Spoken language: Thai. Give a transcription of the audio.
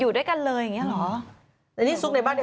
อยู่ด้วยกันเลยอย่างนี้เหรอ